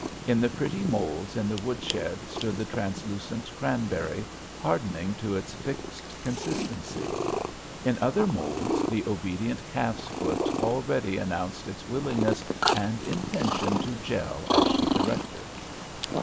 In the pretty moulds in the woodshed stood the translucent cranberry hardening to its fixed consistency. In other moulds the obedient calf's foot already announced its willingness and intention to "gell" as she directed.